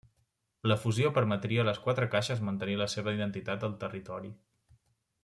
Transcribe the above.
La fusió permetia a les quatre caixes mantenir la seva identitat al territori.